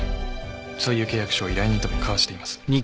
そういう契約書を依頼人とも交わしています。